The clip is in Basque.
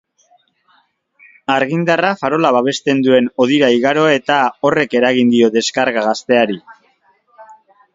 Argindarra farola babesten duen hodira igaro da eta horrek eragin dio deskarga gazteari.